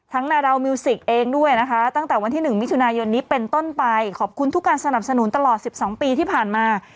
นาดาวมิวสิกเองด้วยนะคะตั้งแต่วันที่๑มิถุนายนนี้เป็นต้นไปขอบคุณทุกการสนับสนุนตลอด๑๒ปีที่ผ่านมา